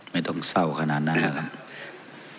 ไม่ต้องเศร้าขนาดนั้นนะครับ